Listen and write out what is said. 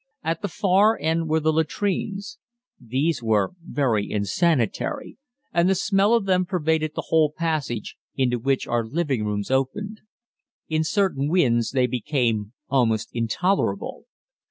At the far end were the latrines. These were very insanitary, and the smell of them pervaded the whole passage, into which our living rooms opened. In certain winds they became almost intolerable.